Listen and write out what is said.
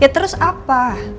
ya terus apa